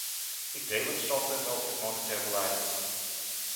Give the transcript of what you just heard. Ik deel het standpunt over het monetair beleid.